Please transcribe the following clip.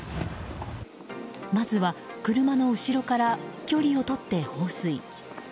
まずは車の後ろから距離を取って放水。